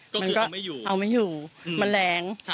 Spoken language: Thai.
ก็คือเอาไม่อยู่เอาไม่อยู่มันแรง